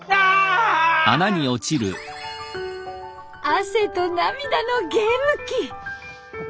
汗と涙のゲーム機。